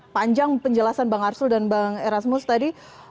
panjang penjelasan bang arsul dan bang erasmus tadi